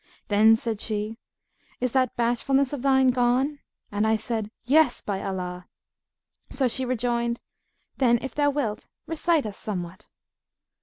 Then said she, 'Is that bashfulness of thine gone?' and I said, 'Yes, by Allah!' so she rejoined, 'Then, if thou wilt, recite us somewhat.'